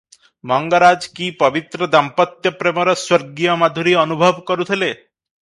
ମଙ୍ଗରାଜ କି ପବିତ୍ର ଦାମ୍ପତ୍ୟ ପ୍ରେମର ସ୍ୱର୍ଗୀୟମାଧୁରୀ ଅନୁଭବ କରୁଥିଲେ?